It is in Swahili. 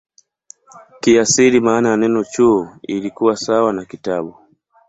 Kiasili maana ya neno "chuo" ilikuwa sawa na "kitabu".